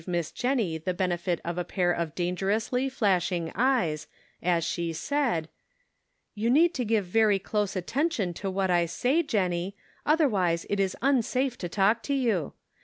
Miss Jennie the benefit of a pair of dangerously flashing eyes, as she said: " You need to give very close attention to what I say, Jennie, otherwise it is unsafe to talk to you.